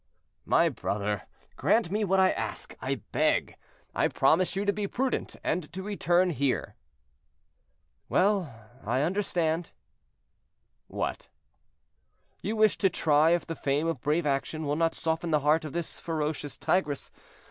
"My brother, grant me what I ask, I beg; I promise you to be prudent, and to return here." "Well, I understand." "What?" "You wish to try if the fame of a brave action will not soften the heart of this ferocious tigress.